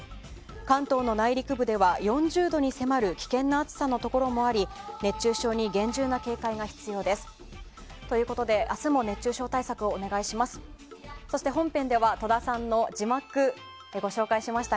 関東の内陸部では４０度に迫る危険な暑さのところもあり熱中症に厳重な警戒が必要です。ということで明日も熱中症対策をお願いします。